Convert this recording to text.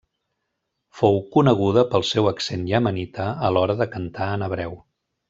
Fou coneguda pel seu accent iemenita a l'hora de cantar en hebreu.